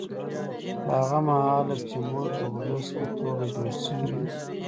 له هغه مهاله چې موږ د ولس په توګه جوړ شوي یو